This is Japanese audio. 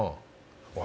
おい